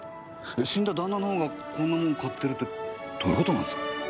死んだ旦那のほうがこんなもん買ってるってどういう事なんですか？